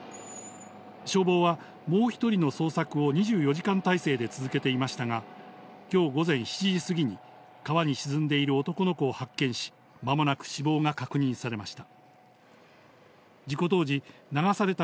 消防はもう１人の捜索を２４時間体制で続けていましたが、今日午前７時過ぎに川に沈んでいる男の子を発見し、間もなく死亡が確認されました。